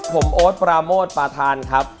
ผมโอดปรามสประทานครับ